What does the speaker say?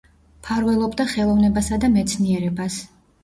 მფარველობდა ხელოვნებასა და მეცნიერებას.